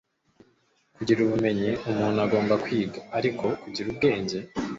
kugira ubumenyi, umuntu agomba kwiga; ariko kugira ubwenge